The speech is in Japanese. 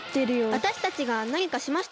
わたしたちが何かしました？